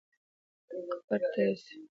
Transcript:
کفر ته رسي.